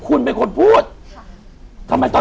อยู่ที่แม่ศรีวิรัยิลครับ